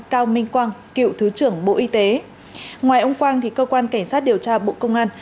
cao minh quang cựu thứ trưởng bộ y tế ngoài ông quang cơ quan cảnh sát điều tra bộ công an